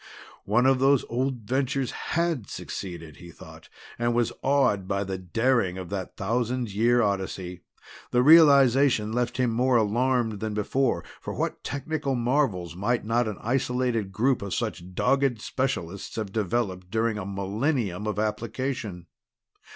One of those old ventures had succeeded, he thought, and was awed by the daring of that thousand year odyssey. The realization left him more alarmed than before for what technical marvels might not an isolated group of such dogged specialists have developed during a millennium of application?